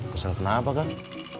kesel kenapa kang